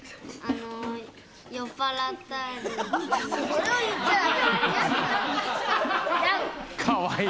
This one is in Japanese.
「それを言っちゃ駄目」